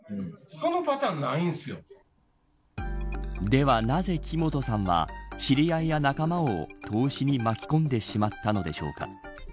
では、なぜ木本さんは知り合いや仲間を投資に巻き込んでしまったのでしょうか。